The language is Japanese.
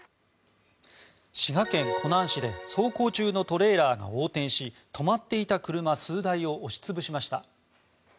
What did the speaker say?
滋賀県湖南市で走行中のトレーラーが横転し止まっていた車数台を押し潰しました。